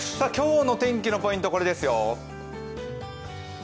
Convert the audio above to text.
今日の天気のポイントはこれですよ、ＳＨＯＣＫ。